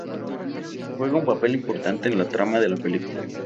Juega un papel importante en la trama de la película.